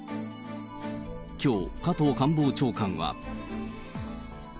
きょう、加藤官房長官は。